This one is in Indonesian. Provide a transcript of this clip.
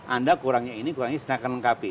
anda kurangnya ini kurangnya itu